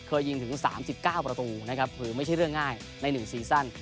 เคยยิงถึง๓๙ประตูนะครับคือไม่ใช่เรื่องง่ายใน๑ซีซั่น